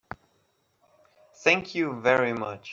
Thank you very much.